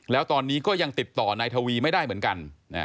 แล้วตอนนี้ก็ยังติดต่อนายทวีไม่ได้เหมือนกัน